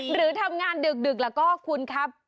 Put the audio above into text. หรือทำงานดึกแล้วก็คุณครับ